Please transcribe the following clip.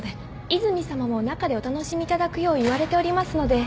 和泉さまも中でお楽しみいただくよう言われておりますので。